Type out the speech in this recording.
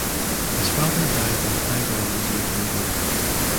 His father died when Hagar was eight years old.